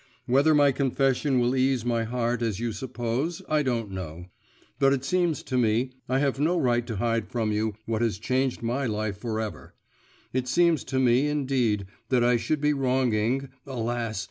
Whether my confession will ease my heart as you suppose, I don't know; but it seems to me I have no right to hide from you what has changed my life for ever; it seems to me, indeed, that I should be wronging alas!